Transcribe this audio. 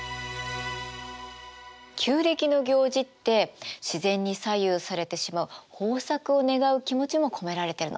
旧暦の行事って自然に左右されてしまう豊作を願う気持ちも込められてるの。